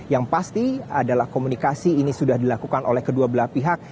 yang pasti adalah komunikasi ini sudah dilakukan oleh kedua belah pihak